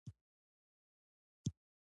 د یادونو خوند زړه ته خوږوالی ورکوي.